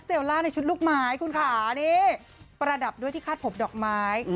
ล่าในชุดลูกไม้คุณค่ะนี่ประดับด้วยที่คาดผมดอกไม้